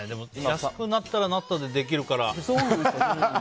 安くなったらなったでできるから。